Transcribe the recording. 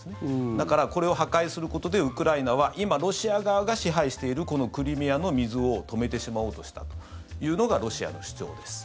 だから、これを破壊することでウクライナは今、ロシア側が支配しているこのクリミアの水を止めてしまおうとしたというのがロシアの主張です。